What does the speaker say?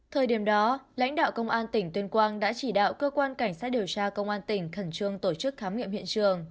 thời điểm đó lãnh đạo công an tỉnh tuyên quang đã chỉ đạo cơ quan cảnh sát điều tra công an tỉnh khẩn trương tổ chức khám nghiệm hiện trường